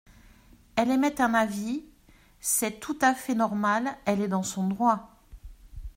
Elle émet un avis : c’est tout à fait normal, elle est dans son droit.